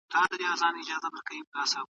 علیمردان خان د مغولو دربار ته پناه یووړه.